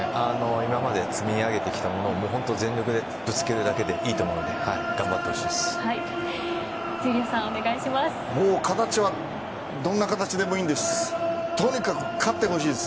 今まで積み上げてきたものを本当、全力でぶつけるだけでいいと思うので頑張ってほしいです。